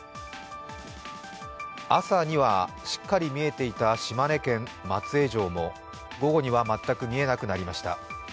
朝には、しっかり見えていた島根県・松江城も午後には全く見えなくなりました。